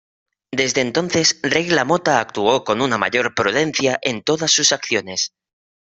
Desde entonces Regla Mota actuó con una mayor prudencia en todas sus acciones.